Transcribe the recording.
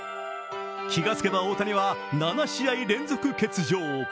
気がつけば大谷は７試合連続欠場。